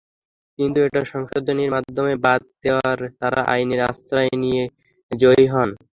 কিন্তু এটা সংশোধনীর মাধ্যমে বাদ দেওয়ায় তাঁরা আইনের আশ্রয় নিয়ে জয়ী হন।